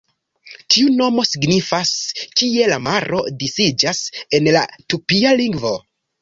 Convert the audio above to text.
Tiu nomo signifas "Kie la maro disiĝas", en la tupia lingvo.